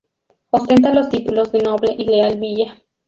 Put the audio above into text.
Ostenta los títulos de "Noble y Leal Villa".